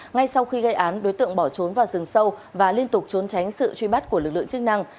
ngay sau khi gây án đối tượng bỏ trốn vào rừng sâu và liên tục trốn tránh sự truy bắt của lực lượng chức năng